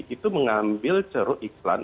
itu mengambil ceruk iklan